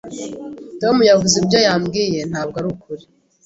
Tom yavuze ibyo wambwiye ntabwo arukuri.